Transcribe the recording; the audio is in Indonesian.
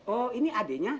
oh ini adiknya